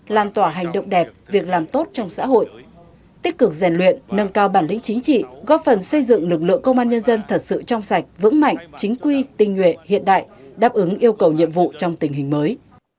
lan tỏa hành động đẹp việc làm tốt trong xã hội tích cực rèn luyện nâng cao bản lĩnh chính trị góp phần xây dựng lực lượng công an nhân dân thật sự trong sạch vững mạnh chính quy tinh nguyện hiện đại đáp ứng yêu cầu nhiệm vụ trong tình hình mới